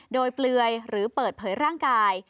โดยเปลือยหรือเปิดเผยร่างกาย